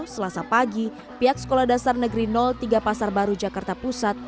selasa pagi pihak sekolah dasar negeri tiga pasar baru jakarta pusat